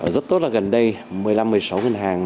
rất tốt là gần đây một mươi năm một mươi sáu ngân hàng